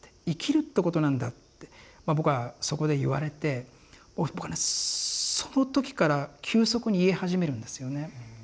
「生きるってことなんだ」って僕はそこで言われてその時から急速に癒え始めるんですよね。